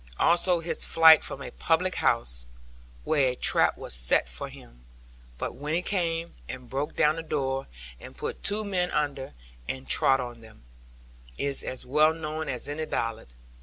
Also his flight from a public house (where a trap was set for him, but Winnie came and broke down the door, and put two men under, and trod on them,) is as well known as any ballad.